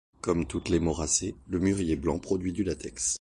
Comme toutes les moracées, le mûrier blanc produit du latex.